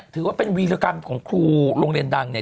ถือว่าเป็นวีรกรรมของครูโรงเรียนดังเนี่ย